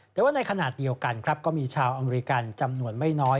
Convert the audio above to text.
แต่ว่าในขณะเดียวกันครับก็มีชาวอเมริกันจำนวนไม่น้อย